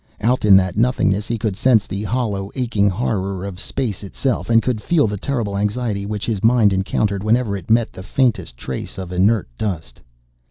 Out in that nothingness, he could sense the hollow aching horror of space itself and could feel the terrible anxiety which his mind encountered whenever it met the faintest trace of inert dust.